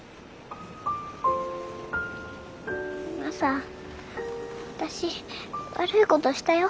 マサ私悪いことしたよ。